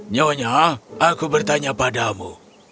nyonya aku bertanya padamu